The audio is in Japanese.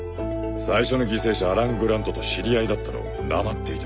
最初の犠牲者アラン・グラントと知り合いだったのを黙っていた。